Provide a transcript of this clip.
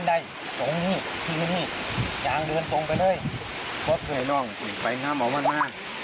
อ๋อเดี๋ยวไม่จัดเขาที่ร่วมหน่อยส่องมันยังมาก